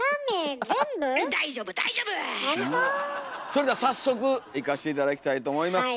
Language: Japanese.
それでは早速いかして頂きたいと思います。